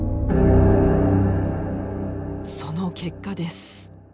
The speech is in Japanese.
その結果です。